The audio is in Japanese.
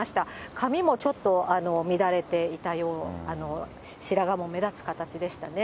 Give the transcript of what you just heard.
髪もちょっと乱れていたような、白髪も目立つ形でしたね。